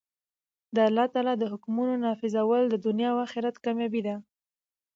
د الله تعالی د حکمونو نافذول د دؤنيا او آخرت کاميابي ده.